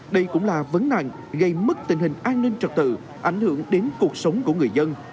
đây cũng là vấn nạn gây mất tình hình an ninh trật tự ảnh hưởng đến cuộc sống của người dân